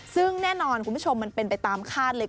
ซึ่งแน่นอนคุณผู้ชมมันเป็นไปตามคาดเลย